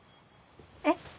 えっ？